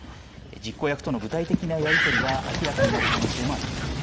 実行役との具体的なやり取りが明らかになる可能性もあります。